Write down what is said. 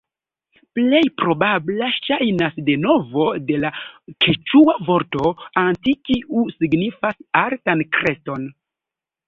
Plej probabla ŝajnas deveno de la keĉua vorto "anti", kiu signifas altan kreston.